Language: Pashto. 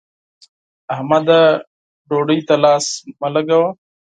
احمده! ډوډۍ ته لاس مه لګوه.